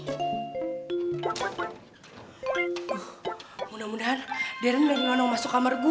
duh mudah mudahan deren gak mau masuk kamar gue